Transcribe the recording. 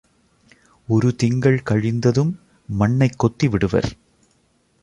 ஒரு திங்கள் கழிந்ததும், மண்ணைக் கொத்தி விடுவர்.